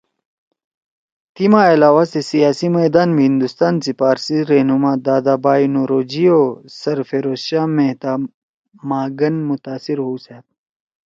تی ما علاوہ سے سیاسی میدان می ہندوستان سی پارسی رہنما دادا بائی نوروجی او سر فیروز شاہ مہتہ ما گن متاثر ہؤسأد